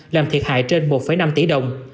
làm thiệt hại trên một năm tỷ đồng